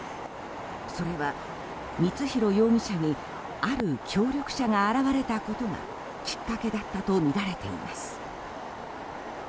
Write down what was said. それは、光弘容疑者にある協力者が現れたことがきっかけだったとみられています。